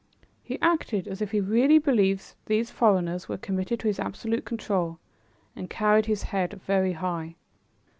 He acted as if he really believed these foreigners were committed to his absolute control and carried his head very high.